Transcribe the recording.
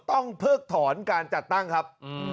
เพิกถอนการจัดตั้งครับ